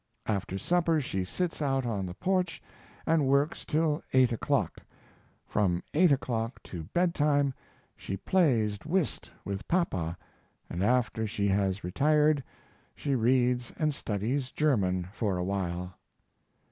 After supper she sits out on the porch and works till eight o'clock, from eight o'clock to bedtime she plays whist with papa and after she has retired she reads and studdies German for a while.